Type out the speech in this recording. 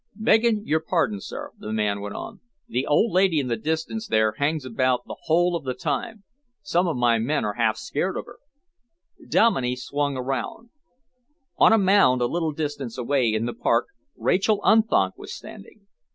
Begging your pardon, sir," the man went on, "the old lady in the distance there hangs about the whole of the time. Some of my men are half scared of her." Dominey swung around. On a mound a little distance away in the park, Rachael Unthank was standing.